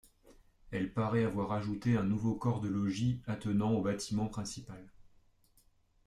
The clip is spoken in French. Elle paraît avoir ajouté un nouveau corps de logis attenant au bâtiment principal.